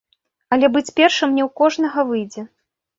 Але быць першым не ў кожнага выйдзе.